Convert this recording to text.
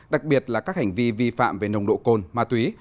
đặc biệt là các hành vi vi phạm về nồng độ cồn ma túy